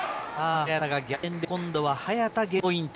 早田が逆転で、今度は早田、ゲームポイント。